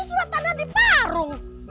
ini surat tanah di barung